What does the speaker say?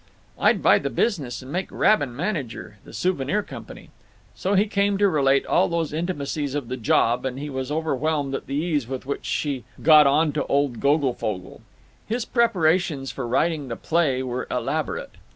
"I'd buy the business and make Rabin manager—the Souvenir Company. So he came to relate all those intimacies of The Job; and he was overwhelmed at the ease with which she "got onto old Goglefogle." His preparations for writing the play were elaborate.